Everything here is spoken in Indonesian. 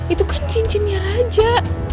itu kan cincinnya raja